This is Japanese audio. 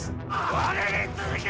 我に続け！